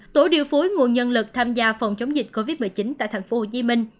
tổ điều phúi nguồn nhân lực tham gia phòng chống dịch covid một mươi chín tại tp hcm